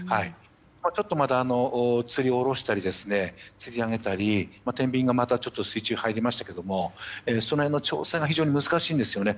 ちょっとまた、つり下ろしたりつり上げたり天秤がまた水中に入りましたけどその辺の調整が非常に難しいんですよね。